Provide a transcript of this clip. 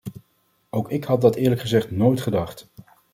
Ook ik had dat eerlijk gezegd nooit gedacht.